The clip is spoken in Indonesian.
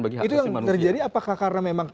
bagi hak asasi manusia itu terjadi apakah karena memang